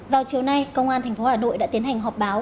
vào chiều nay công an tp hà nội đã tiến hành họp báo